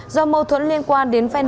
do mâu thuẫn liên quan đến phai nền